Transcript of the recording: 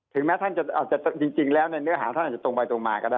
แม้ท่านจะอาจจะจริงแล้วในเนื้อหาท่านอาจจะตรงไปตรงมาก็ได้